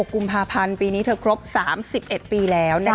กุมภาพันธ์ปีนี้เธอครบ๓๑ปีแล้ว